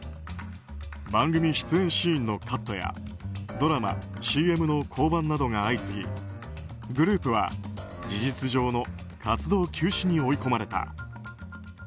番組出演シーンのカットやドラマ、ＣＭの降板などが相次ぎグループは事実上の活動休止に追い込まれた。